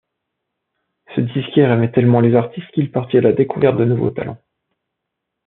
Ce disquaire aimait tellement les artistes qu'il partit à la découverte de nouveaux talents.